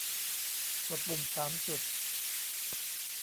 กดปุ่มสามจุด